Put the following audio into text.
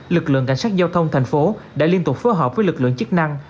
lực lượng cảnh sát giao thông thành phố đã liên tục phối hợp với lực lượng chức năng